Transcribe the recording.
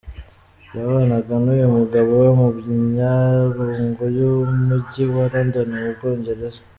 Yabanaga n’uyu mugabo we mu Majyaruguru y’Umujyi wa London mu Bwongereza.